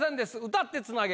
歌ってつなげ！